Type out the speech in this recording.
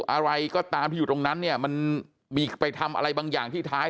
อะไรก็ตามที่อยู่ตรงนั้นเนี่ยมันมีไปทำอะไรบางอย่างที่ท้าย